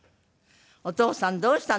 「お父さんどうしたの？